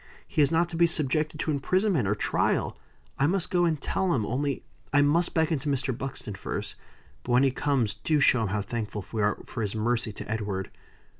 He is not to be subjected to imprisonment or trial. I must go and tell him, only I must beckon to Mr. Buxton first. But when he comes, do show him how thankful we are for his mercy to Edward."